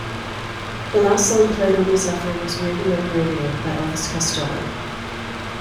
The last song played on The Zephyr was "Radio, Radio" by Elvis Costello.